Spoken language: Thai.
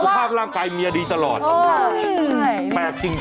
ภาพร่างกายเมียดีตลอดกลายอีกกี่ก่อนละมากจริง